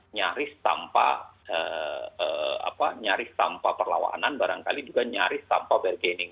nyaris tanpa perlawanan barangkali juga nyaris tanpa bargaining